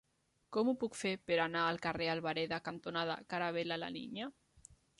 Com ho puc fer per anar al carrer Albareda cantonada Caravel·la La Niña?